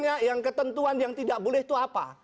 yang ketentuan yang tidak boleh itu apa